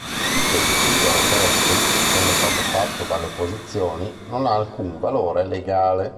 Il plebiscito o referendum, essendo stato fatto dalle opposizioni, non ha alcun valore legale.